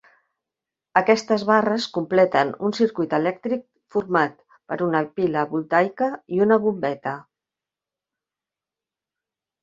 Aquestes barres completen un circuit elèctric format per una pila voltaica i una bombeta.